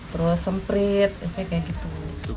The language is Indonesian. terus semprit biasanya kayak gitu